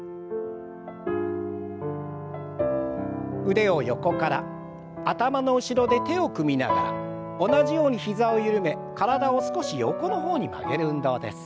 腕を横から頭の後ろで手を組みながら同じように膝を緩め体を少し横の方に曲げる運動です。